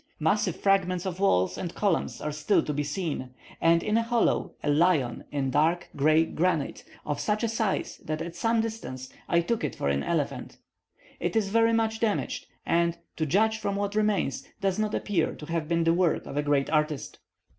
Massive fragments of walls and columns are still to be seen, and in a hollow a lion in dark grey granite, of such a size that at some distance I took it for an elephant. It is very much damaged, and, to judge from what remains, does not appear to have been the work of a great artist.